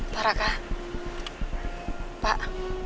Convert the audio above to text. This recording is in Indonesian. pak raka pak